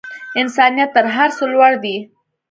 انسانیت تر هر څه لوړ دی.